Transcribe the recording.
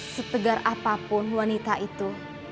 setegar apapun wanita itu